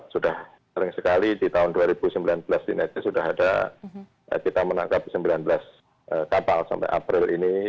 sudah sering sekali di tahun dua ribu sembilan belas di netnya sudah ada kita menangkap sembilan belas kapal sampai april ini